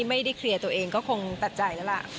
ไม่ได้เคลียร์ตัวเองก็คงตัดใจแล้วล่ะ